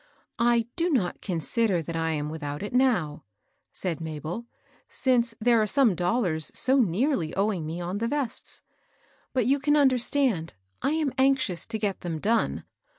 " I do not consider that I am without it now," said Mabel, ^^ since there are some dollars so nearly owing me on the vests. But you can understand, I am anxious to get them done.